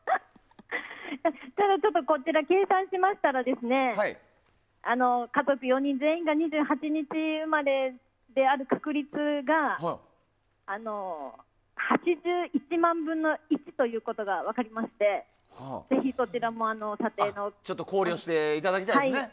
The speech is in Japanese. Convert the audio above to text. ただ、こちら計算しましたら家族４人全員が２８日生まれである確率が８１万分の１ということが分かりまして考慮していただきたいですね。